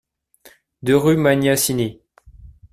deux rue Magnassini